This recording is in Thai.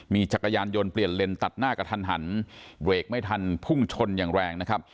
มีจักรยานยนต์เปลี่ยนเลนตัดหน้ากระทันหันเบรกไม่ทันพุ่งชนอย่างแรงนะครับ